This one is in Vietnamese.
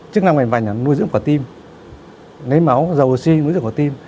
chức năng mạch mạch là nuôi dưỡng của tim nấy máu dầu oxy nuôi dưỡng của tim